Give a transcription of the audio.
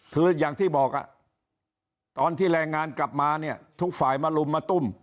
คืออย่างที่บอกตอนที่แรงงานกลับมาเนี่ยทุกฝ่ายมาลุมมาตุ้ม